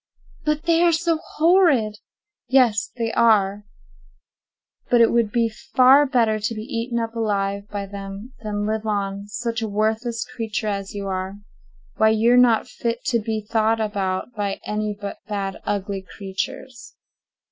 "But they are so horrid!" "Yes, they are; but it would be far better to be eaten up alive by them than live on—such a worthless creature as you are. Why, you're not fit to be thought about by any but bad ugly creatures."